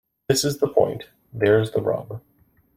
This is the point. There's the rub.